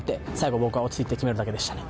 僕は落ち着いて決めるだけでした。